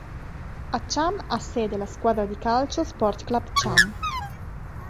A Cham ha sede la squadra di calcio Sportclub Cham.